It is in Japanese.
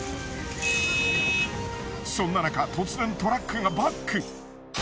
そんななか突然トラックがバック。